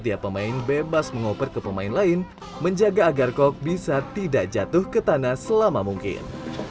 setiap pemain bebas mengoper ke pemain lain menjaga agar kok bisa tidak jatuh ke tanah selama mungkin